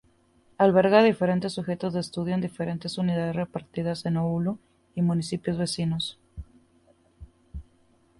Alberga diferentes sujetos de estudio en diferentes unidades repartidas en Oulu y municipios vecinos.